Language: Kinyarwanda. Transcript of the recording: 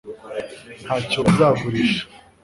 ntacyo bazagurisha